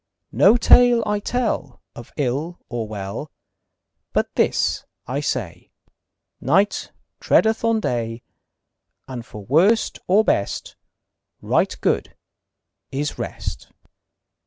No tale I tell Of ill or well, But this I say: Night treadeth on day, And for worst or best Right good is rest.